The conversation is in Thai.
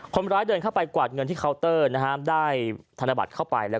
คนร้ายเดินเข้าไปกวาดเงินที่เคาน์เตอร์นะฮะได้ธนบัตรเข้าไปแล้ว